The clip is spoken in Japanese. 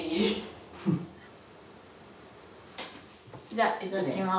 じゃあいってきます。